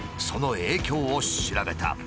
その影響を調べた。